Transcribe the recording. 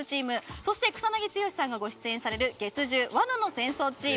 そして草なぎ剛さんがご出演する月１０「罠の戦争」チーム。